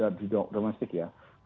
nah sudah sengaja mendekat